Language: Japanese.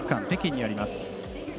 北京にあります。